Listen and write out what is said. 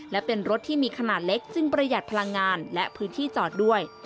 และเป็นรถที่มีขนาดเล็กจึงประหยัดพลังงานและพื้นที่จอดด้วย